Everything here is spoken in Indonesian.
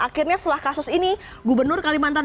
akhirnya setelah kasus ini gubernur kalimantan